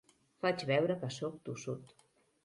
Faig veure que sóc tossut.